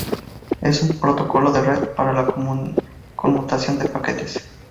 Es un protocolo de red, para la conmutación de paquetes.